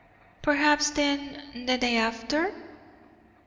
"Perhaps, then, the day after?"